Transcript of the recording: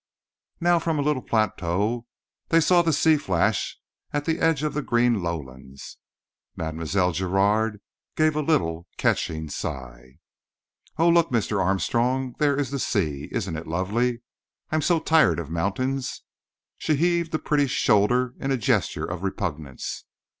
Now from a little plateau they saw the sea flash at the edge of the green lowlands. Mile. Giraud gave a little, catching sigh. "Oh! look, Mr. Armstrong, there is the sea! Isn't it lovely? I'm so tired of mountains." She heaved a pretty shoulder in a gesture of repugnance.